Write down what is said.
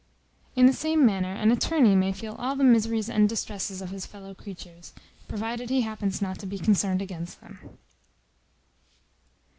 In the same manner an attorney may feel all the miseries and distresses of his fellow creatures, provided he happens not to be concerned against them.